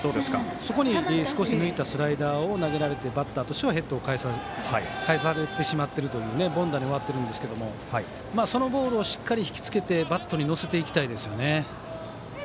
そこに少し抜いたスライダーを投げられてバッターとしてはヘッドを返されてしまって凡打に終わっているんですがそのボールをしっかり引き付けてバットに乗せていきたいですね。